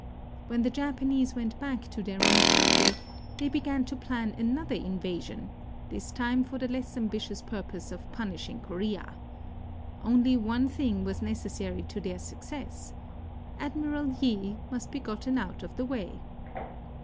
When the Japanese went back to their own country, they began to plan another invasion, this time for the less ambitious purpose of punishing Korea. Only one thing was necessary to their success. Admiral Yi must be gotten out of the way.